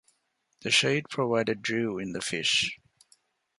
The shade provided drew in the fish.